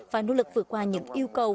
phải nỗ lực vượt qua những yêu cầu